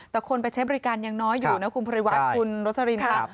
แต่คนไปใช้บริการยังน้อยอยู่นะคุณภูริวัติคุณโรสลินค่ะ